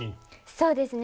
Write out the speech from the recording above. そうですね